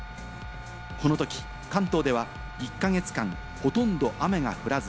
このとき関東では１か月間、ほとんど雨が降らず。